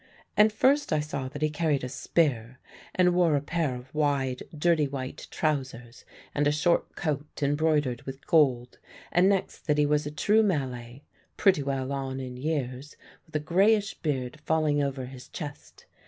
And first I saw that he carried a spear, and wore a pair of wide dirty white trousers and a short coat embroidered with gold; and next that he was a true Malay, pretty well on in years, with a greyish beard falling over his chest.